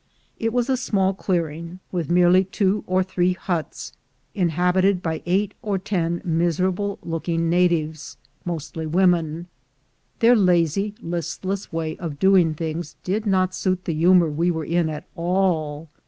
It was a small clearing, with merely two or three huts, inhabited by eight or ten miserable looking ON TO CALIFORNIA 29 natives, mostly women. Their lazy listless way of doing things did not suit the humor we were in at all.